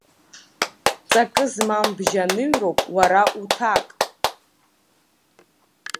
Ҵакы змам бжьаныҩроуп уара уҭак!